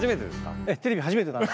ええテレビ初めてなんです。